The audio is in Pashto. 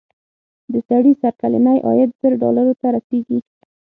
د سړي سر کلنی عاید زر ډالرو ته رسېږي.